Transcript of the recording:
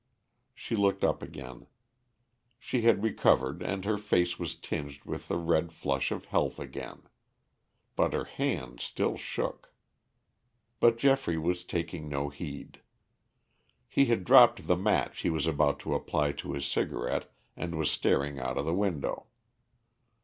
She looked up again. She had recovered and her face was tinged with the red flush of health again. But her hands still shook. But Geoffrey was taking no heed. He had dropped the match he was about to apply to his cigarette and was staring out of the window.